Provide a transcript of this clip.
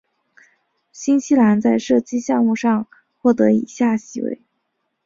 新西兰在射击项目上获得以下席位。